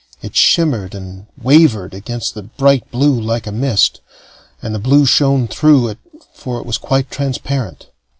It shimmered and wavered against the bright blue like a mist, and the blue shone through it, for it was quite transparent.